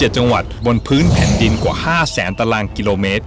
๗จังหวัดบนพื้นแผ่นดินกว่า๕แสนตารางกิโลเมตร